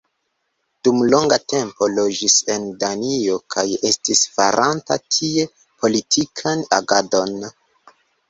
Dum longa tempo loĝis en Danio kaj estis faranta tie politikan agadon.